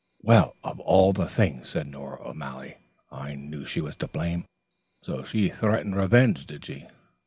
"Well, of all things," said Nora O'Malley. "I knew she was to blame. So she threatened revenge, did she?"